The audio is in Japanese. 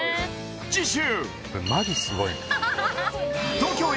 次週！